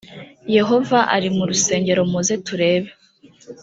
yehova ari mu rusengero muze turebe